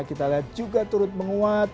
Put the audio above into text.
kita lihat juga turut menguat